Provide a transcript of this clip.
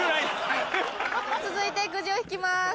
続いてくじを引きます。